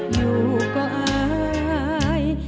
อยู่ก็อาย